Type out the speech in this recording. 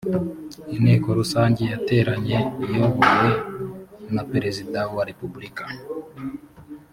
inteko rusange yateranye iyobowe na perezida wa repeburika